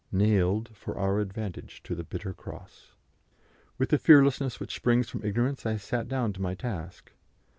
nailed for our advantage to the bitter cross." With the fearlessness which springs from ignorance I sat down to my task.